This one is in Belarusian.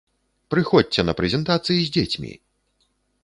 Прыходзьце на прэзентацыі з дзецьмі!